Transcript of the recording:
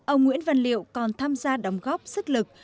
ông nguyễn văn liệu còn tham gia đóng góp sức lực